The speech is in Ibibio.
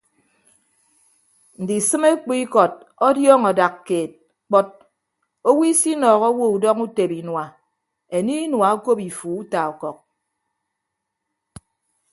Ndisịme ekpu ikọt ọdiọọñọ adak keed kpọt owo isinọọhọ owo udọñọ utebe inua enie inua okop ifu uta ọkọk.